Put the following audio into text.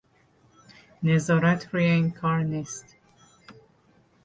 نظارت روی این کار نیست